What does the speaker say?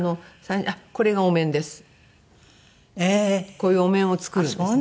こういうお面を作るんですね。